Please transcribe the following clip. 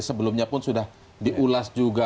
sebelumnya pun sudah diulas juga